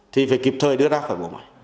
thì phải kịp thời đưa ra khỏi bộ máy